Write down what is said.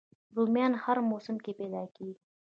رومیان هر موسم کې پیدا کېږي